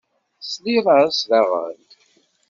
Tesliḍ-as daɣen?